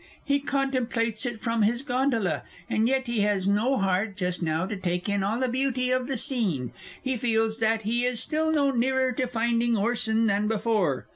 He contemplates it from his gondola, and yet he has no heart just now to take in all the beauty of the scene. He feels that he is still no nearer to finding Orson than before.